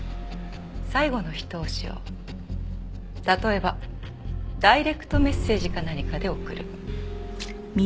最後の一押しを例えばダイレクトメッセージか何かで送る。